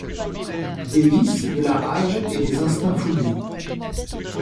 Des vices, de la rage et des instincts fougueux